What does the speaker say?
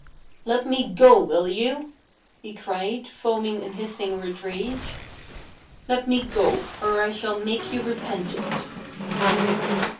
"Let me go, will \'ou," he cried, foaming and hissing with rage, " let me go, or I shall make you repent it."